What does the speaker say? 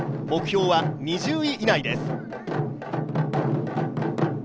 目標は２０位以内です。